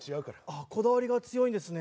ああこだわりが強いんですね。